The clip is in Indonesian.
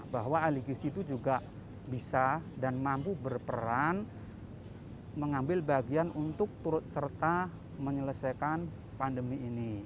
bahwa ahli gizi itu juga bisa dan mampu berperan mengambil bagian untuk turut serta menyelesaikan pandemi ini